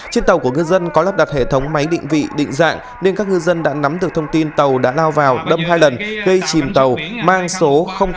trên tàu của ngư dân có lắp đặt hệ thống máy định vị định dạng nên các ngư dân đã nắm được thông tin tàu đã lao vào đâm hai lần gây chìm tàu mang số chín mươi tám nghìn tám trăm tám mươi